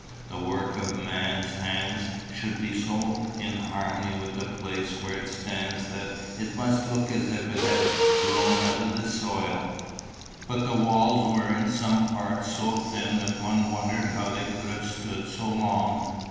The work of man's hands should be so in harmony with the place where it stands that it must look as if it had grown out of the soil. But the walls were in some parts so thin that one wondered how they could have stood so long.